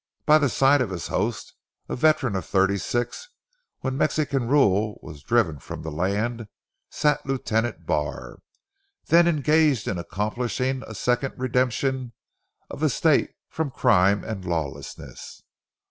By the side of his host, a veteran of '36, when Mexican rule was driven from the land, sat Lieutenant Barr, then engaged in accomplishing a second redemption of the state from crime and lawlessless.